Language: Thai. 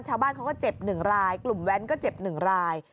ชาวบ้านเขาก็เจ็บ๑รายกลุ่มแว้นก็เจ็บ๑ราย